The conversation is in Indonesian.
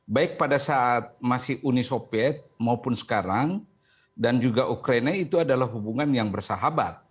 baik pada saat masih uni soviet maupun sekarang dan juga ukraina itu adalah hubungan yang bersahabat